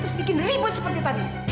terus bikin ribut seperti tadi